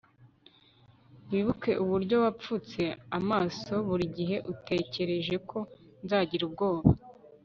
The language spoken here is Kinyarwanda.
wibuke uburyo wapfutse amaso burigihe utekereje ko nzagira ubwoba